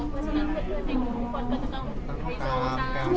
เพราะฉะนั้นเพื่อนทุกคนก็จะต้องไฮโซ